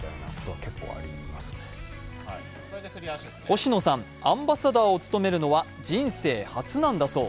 星野さん、アンバサダーを務めるのは人生初なんだそう。